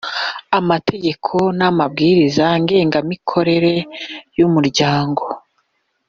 amategeko n’amabwiriza ngengamikorere y’umuryango